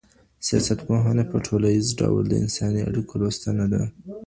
سياستپوهنه په ټوليز ډول د انساني اړيکو لوستنه ده.